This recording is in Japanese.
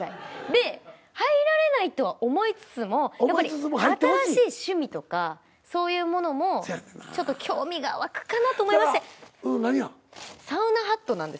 で入られないとは思いつつもやっぱり新しい趣味とかそういうものも興味が湧くかなと思いましてサウナハットなんですけど。